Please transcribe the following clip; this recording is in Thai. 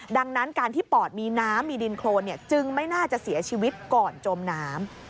ดังนั้นการที่ปอดมีน้ำมีดินโครนจึงไม่น่าจะเสียชีวิตก่อนจมน้ำ